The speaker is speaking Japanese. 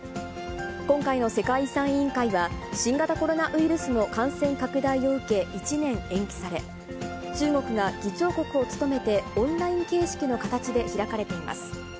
今回の世界遺産委員会は、新型コロナウイルスの感染拡大を受け、１年延期され、中国が議長国を務めてオンライン形式の形で開かれています。